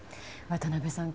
渡辺さん